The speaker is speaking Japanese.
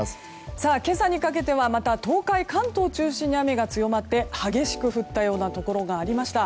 今朝にかけてはまた東海、関東を中心に雨が強まって激しく降ったようなところがありました。